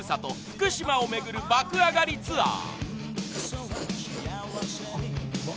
福島を巡る爆上がりツアー！